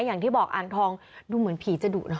อย่างที่บอกอ่างทองดูเหมือนผีจะดุนะ